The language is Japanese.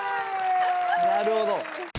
なるほど。